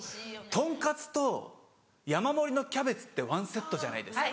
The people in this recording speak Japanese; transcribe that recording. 豚カツと山盛りのキャベツってワンセットじゃないですか。